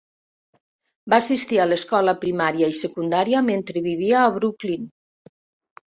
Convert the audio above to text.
Va assistir a l'escola primària i secundària mentre vivia a Brooklyn.